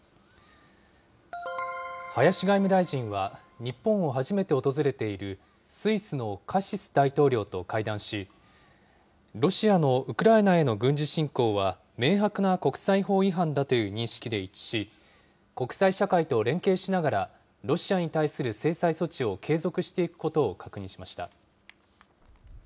林外務大臣は、日本を初めて訪れているスイスのカシス大統領と会談し、ロシアのウクライナへの軍事侵攻は、明白な国際法違反だという認識で一致し、国際社会と連携しながらロシアに対する制裁措置を継続していくことを確認しました。